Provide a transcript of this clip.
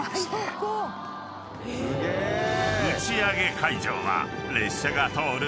［打ち上げ会場は列車が通る